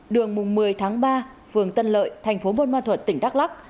đường một mươi ba phường tân lợi thành phố buôn ma thuột tỉnh đắk lắc